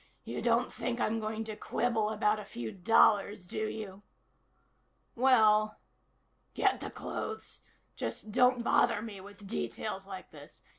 You don't think I'm going to quibble about a few dollars, do you?" "Well " "Get the clothes. Just don't bother me with details like this.